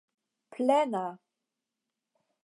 plena